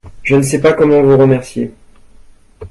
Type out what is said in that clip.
Je ne sais pas comment vous remercier.